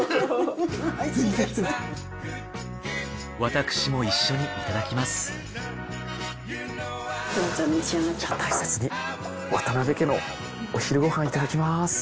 私も一緒にいただきますじゃあ大切に渡辺家のお昼ご飯いただきます。